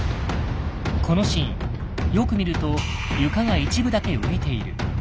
このシーンよく見ると床が一部だけ浮いている。